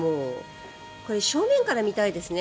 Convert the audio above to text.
これ、正面から見たいですね。